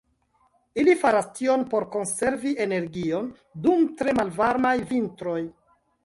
Ili faras tion por konservi energion dum tre malvarmaj vintroj.